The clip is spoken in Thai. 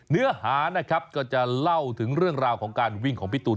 เนื้อหานะครับก็จะเล่าถึงเรื่องราวของการวิ่งของพี่ตูน